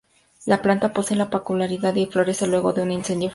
La planta posee la peculiaridad de florecer luego de un incendio forestal.